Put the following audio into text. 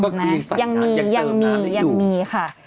อ๋อก็คืออีกสักอย่างอย่างเกิบน้ำได้อยู่ยังมีค่ะ